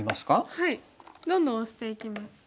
はいどんどんオシていきます。